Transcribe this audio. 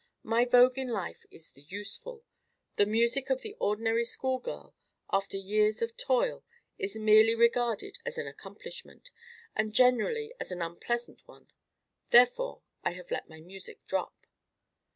My vogue in life is the useful. The music of the ordinary school girl, after years of toil, is merely regarded as an accomplishment, and generally as an unpleasant one; therefore I have let my music drop."